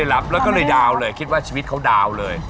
อ๋อแล้วเราก็ดาวน์แล้วคิดชีวิตเขาดาวน์เลย